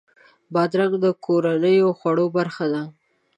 بادرنګ د کورنیو خوړو برخه ده.